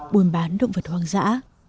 buôn bán động vật hoang dã